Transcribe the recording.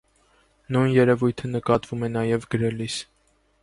Նույն երևույթը նկատվում է նաև գրելիս։